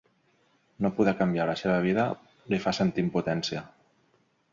No poder canviar la seva vida li fa sentir impotència.